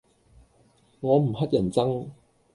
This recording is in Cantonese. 我唔乞人憎